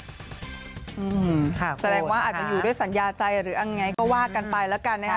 แสดงว่าอาจจะอยู่ด้วยสัญญาใจก็ว่ากันไปแล้วกันนะฮะ